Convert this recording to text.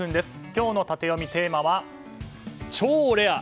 今日のタテヨミ、テーマは超レア！